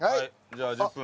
じゃあ１０分。